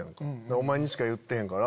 お前にしか言ってへんから。